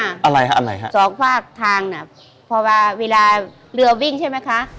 อะไรฮะอะไรฮะสองฝากทางน่ะเพราะว่าเวลาเรือวิ่งใช่ไหมคะ